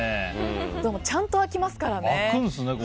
ちゃんと開きますからね。